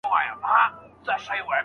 ذهن مو له علم ډک کړئ.